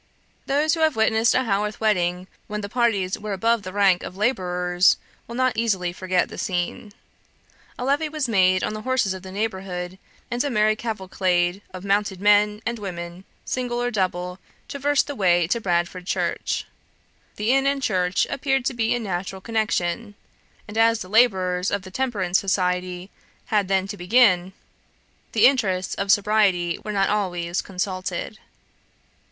"Those who have witnessed a Haworth wedding when the parties were above the rank of labourers, will not easily forget the scene. A levy was made on the horses of the neighbourhood, and a merry cavalcade of mounted men and women, single or double, traversed the way to Bradford church. The inn and church appeared to be in natural connection, and as the labours of the Temperance Society had then to begin, the interests of sobriety were not always consulted.